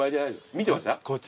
見てました？